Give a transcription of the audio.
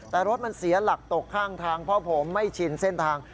แต่รถมันเสียหลักตกข้างทางเพราะผมไม่ชินเส้นทาง